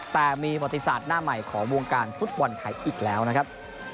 แต่มีประวัติศาสตร์หน้าใหม่ของวงการฟุตบอลไทยอีกแล้วนะครับ